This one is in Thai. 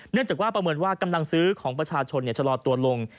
เนื่องจากว่าประเมินว่ากำลังซื้อของประชาชนชะลอตัวลง